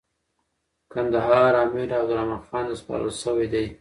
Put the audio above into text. کندهار امیر عبدالرحمن خان ته سپارل سوی دی.